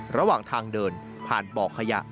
ระหว่างทางเดินผ่านบ่อขยะ